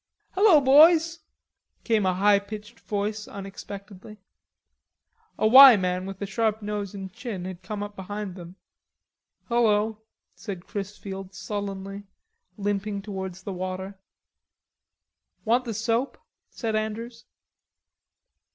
"Hello, boys," came a high pitched voice unexpectedly. A "Y" man with sharp nose and chin had come up behind them. "Hello," said Chrisfield sullenly, limping towards the water. "Want the soap?" said Andrews.